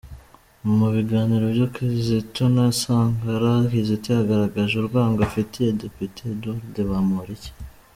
Mu biganiro bya Kizito na Sankara, Kizito yagaragaje urwango afitiye Depite Edouard Bamporiki.